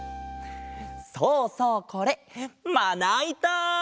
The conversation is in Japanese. そうそうこれまないた！